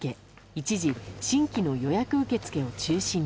一時新規の予約受け付けを中止に。